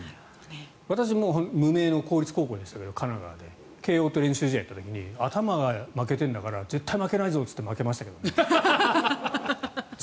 私も、神奈川の無名の公立高校でしたけど慶応と練習試合やりましたけど頭が負けてるんだから絶対負けないぞと言って負けましたけど。